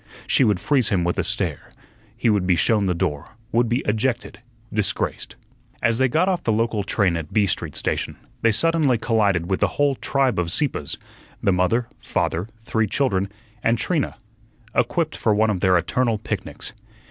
She would freeze him with a stare; he would be shown the door, would be ejected, disgraced. As they got off the local train at B Street station they suddenly collided with the whole tribe of Sieppes the mother, father, three children, and Trina equipped for one of their eternal picnics.